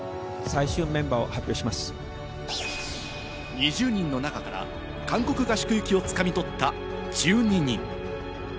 ２０人の中から韓国合宿行きをつかみ取った１２人。